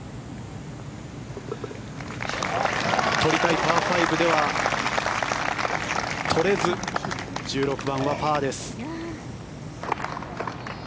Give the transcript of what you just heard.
取りたいパー５では取れず１６番はパーです。